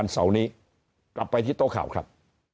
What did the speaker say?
วันเสาร์นี้กับวิทยุโตค่าวคลิป